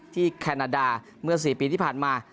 ที่แคนาดาเมื่อสี่ปีที่ผ่านมา